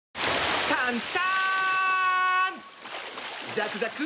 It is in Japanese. ザクザク！